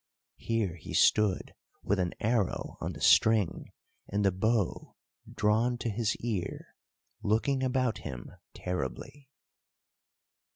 Here he stood with an arrow on the string, and the bow drawn to his ear, looking about him terribly.